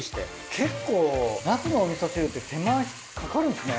結構ナスのおみそ汁って手間かかるんすね。